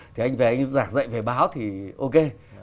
thì anh về anh giảng dạy về báo thì ok